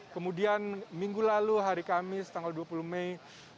kemudian minggu lalu hari kamis tanggal dua puluh mei dua ribu dua puluh